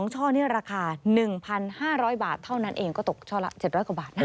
ช่อนี้ราคา๑๕๐๐บาทเท่านั้นเองก็ตกช่อละ๗๐๐กว่าบาทนะ